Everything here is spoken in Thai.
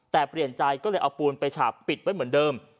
แต่เปลี่ยนใจก็เลยเอาปูนไปฉาบปิดไว้เหมือนเดิม